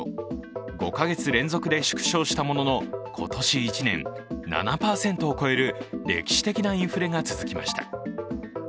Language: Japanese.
５か月連続で縮小したものの、今年１年、７％を超える歴史的なインフレが続きました。